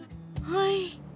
はい。